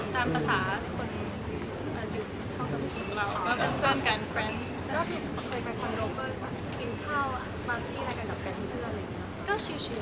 เพราะว่าติดงานติดงานเยอะ